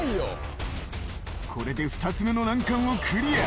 これで２つ目の難関をクリア。